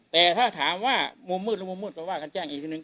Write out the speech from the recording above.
แต่ถ้าถามว่ามุมมืดหรือมุมมืดไปว่ากันแจ้งอีกทีนึง